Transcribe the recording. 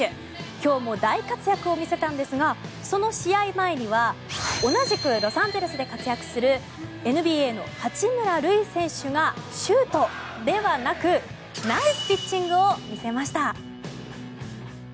今日も大活躍を見せたんですがその試合前には同じくロサンゼルスで活躍するＮＢＡの八村塁選手がシュートではなくナイスピッチングを見せました。